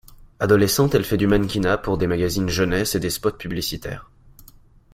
Adolescente elle fait du mannequinat pour des magazines jeunesses et des spots publicitaires.